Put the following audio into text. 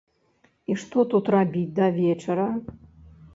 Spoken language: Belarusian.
І што тут рабіць да вечара?